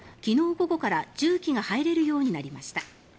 午後から重機が入れるようになりました。